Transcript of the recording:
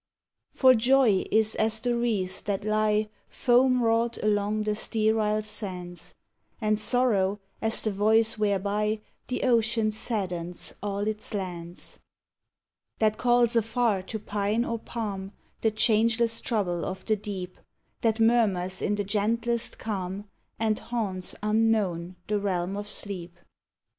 For joy is as the wreaths that lie Foam wrought along the sterile sands; And sorrow, as the voice whereby The ocean saddens all its lands, 126 TO ONE ASKING LIGHTER SONGS. That calls afar to pine or palm The changeless trouble of the deep; That murmurs in the gentlest calm, And haunts, unknown, the realm of sleep.